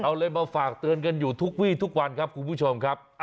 เอาเลยมาฝากเตือนกันอยู่ทุกวี่ทุกวันครับคุณผู้ชมครับ